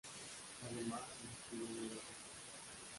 Además, el escudo no era oficial.